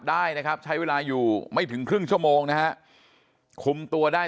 ได้นะครับใช้เวลาอยู่ไม่ถึงครึ่งชั่วโมงนะฮะคุมตัวได้